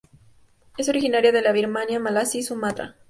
Es originaria de la Birmania, Malasia y Sumatra.